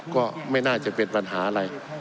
ก็ไม่น่าจะเป็นปัญหาอะไร